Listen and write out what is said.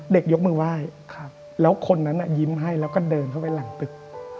ยกมือไหว้แล้วคนนั้นยิ้มให้แล้วก็เดินเข้าไปหลังตึก